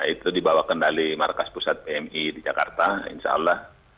itu dibawa kendali markas pusat pmi di jakarta